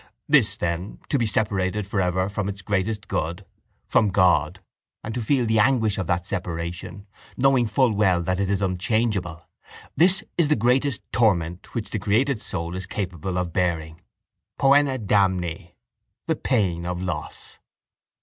This, then, to be separated for ever from its greatest good, from God, and to feel the anguish of that separation, knowing full well that it is unchangeable: this is the greatest torment which the created soul is capable of bearing, pœna damni, the pain of loss.